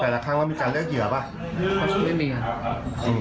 แต่ละครั้งว่ามีการเลือกเหยื่อป่ะประชดชีวิตไม่มีอ่ะอืม